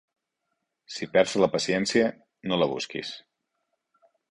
Si perds la paciència, no la busquis.